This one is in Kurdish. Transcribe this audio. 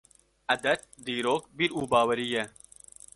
Edet, dîrok, bîr û bawerî ye.